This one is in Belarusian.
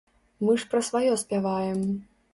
Мы ж пра сваё спяваем.